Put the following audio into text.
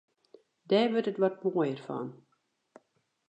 Dêr wurdt it wat moaier fan.